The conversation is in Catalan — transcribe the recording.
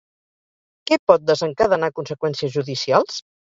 Què pot desencadenar conseqüències judicials?